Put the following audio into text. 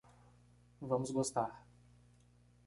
Vamos gostar.